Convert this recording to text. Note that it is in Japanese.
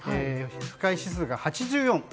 不快指数が８４。